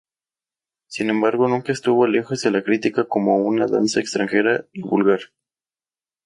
Sin embargo, nunca estuvo lejos de la crítica como una danza extranjera y vulgar.